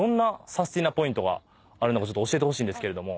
教えてほしいんですけれども。